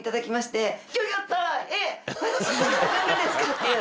っていう。